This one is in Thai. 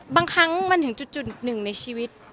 บางครั้งมันถึงจุดหนึ่งในชีวิต